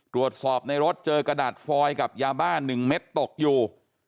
ตรวจสอบในรถเจอกระดาษฟอยกับยาบ้า๑เม็ดตกอยู่